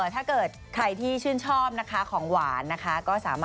ถ้าเกิดใครที่ชื่นชอบนะคะของหวานนะคะ